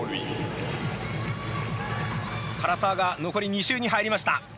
唐澤が残り２周に入りました。